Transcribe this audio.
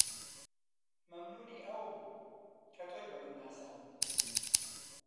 مەمنوونی ئەوم کە تۆی بە من ناساند